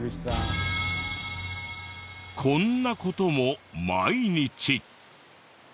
こんな事も毎日。